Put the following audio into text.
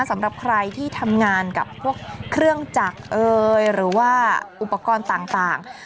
สำหรับใครที่ทำงานกับพวกเครื่องจักรเอยหรือว่าอุปกรณ์ต่าง